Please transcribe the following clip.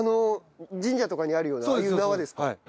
神社とかにあるようなああいう縄ですか？